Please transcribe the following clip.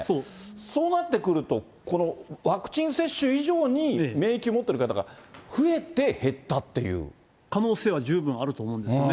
そうなってくると、このワクチン接種以上に免疫持っている方が増えて、可能性は十分あると思うんですよね。